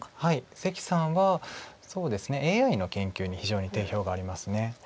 関さんはＡＩの研究に非常に定評があります。